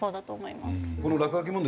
この落書き問題